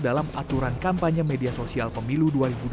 dalam aturan kampanye media sosial pemilu dua ribu dua puluh